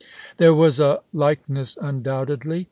There was a likeness, undoubtedly.